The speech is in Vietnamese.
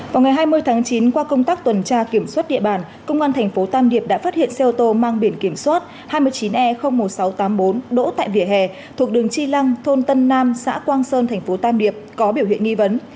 vào ngày hai mươi tháng chín qua công tác tuần tra kiểm soát địa bàn công an thành phố tam điệp đã phát hiện xe ô tô mang biển kiểm soát hai mươi chín e một nghìn sáu trăm tám mươi bốn đỗ tại vỉa hè thuộc đường chi lăng thôn tân nam xã quang sơn thành phố tam điệp có biểu hiện nghi vấn